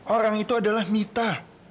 orang itu adalah mita